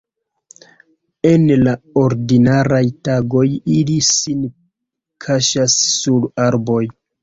En la ordinaraj tagoj ili sin kaŝas sur arboj.